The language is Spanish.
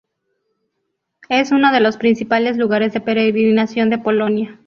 Es uno de los principales lugares de peregrinación de Polonia.